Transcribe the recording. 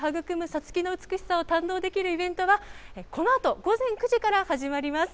さつきの美しさを堪能できるイベントが、このあと午前９時から始まります。